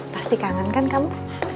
pasti kangen kan kamu